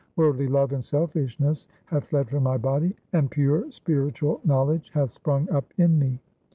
Worldly love and selfishness have fled from my body, and pure spiritual knowledge hath sprung up in me.